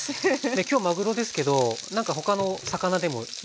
今日まぐろですけど何か他の魚でもいいんですか？